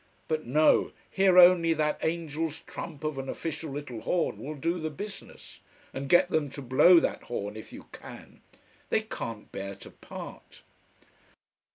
But no! Here only that angel's trump of an official little horn will do the business. And get them to blow that horn if you can. They can't bear to part.